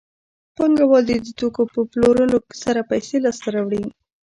پانګوال د دې توکو په پلورلو سره پیسې لاسته راوړي